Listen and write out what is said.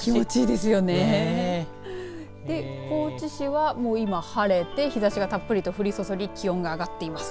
で、高知市はもう今晴れて日ざしがたっぷりと降り注ぎ気温が上がっています。